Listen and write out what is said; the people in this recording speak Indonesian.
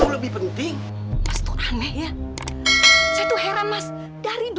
kok gak sudi